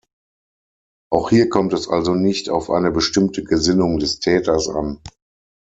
Auch hier kommt es also nicht auf eine bestimmte Gesinnung des Täters an.